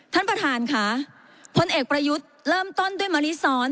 ท่านประธานค่ะพลเอกประยุทธ์เริ่มต้นด้วยมะลิซ้อน